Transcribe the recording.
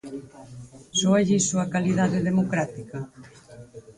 ¿Sóalle iso a calidade democrática?